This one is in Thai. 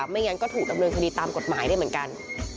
ไม่งั้นก็ถูกดำเนินคดีตามกฎหมายได้เหมือนกัน